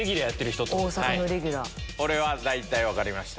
俺は大体分かりました。